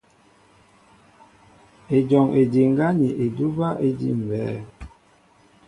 Ejɔŋ ediŋgá ni edúbɛ́ éjḭmbɛ́ɛ́.